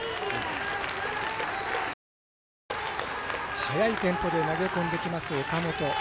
速いテンポで投げ込んできます岡本。